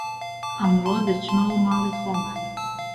ئەمڕۆ دەچمەوە ماڵی خۆمان